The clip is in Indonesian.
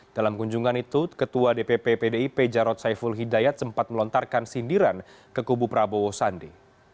dalam kunjungan itu ketua dpp pdip jarod saiful hidayat sempat melontarkan sindiran ke kubu prabowo sandi